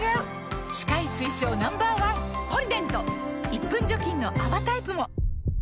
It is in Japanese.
１分除菌の泡タイプも！